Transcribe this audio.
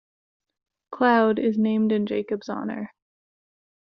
Cloud, is named in Jacob's honor.